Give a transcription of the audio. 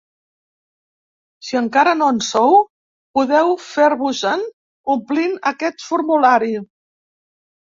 Si encara no en sou, podeu fer-vos-en omplint aquest formulari.